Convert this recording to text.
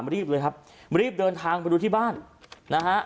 รีบเลยครับรีบเดินทางไปดูที่บ้านนะฮะ